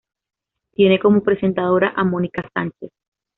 Tiene como presentadora a Mónica Sánchez.